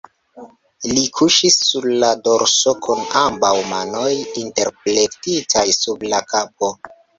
Li kuŝis sur la dorso kun ambaŭ manoj interplektitaj sub la kapo.